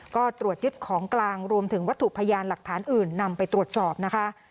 ก็ตรวจยึดของกลางรวมถึงวัตถุพยานหลักฐานอื่นนำไปตรวจสอบนะคะ